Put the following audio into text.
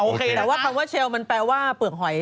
เอาโอเคนะครับแต่ว่าเชลว์มันแปลว่าเปลืองหอย